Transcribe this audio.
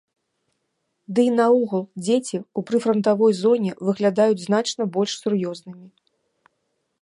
Ды і наогул дзеці ў прыфрантавой зоне выглядаюць значна больш сур'ёзнымі.